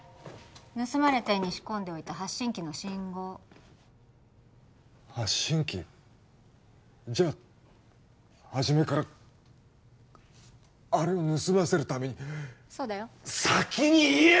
盗まれた絵に仕込んでおいた発信器の信号発信器じゃあはじめからあれを盗ませるためにそうだよ先に言え！